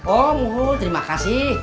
oh terima kasih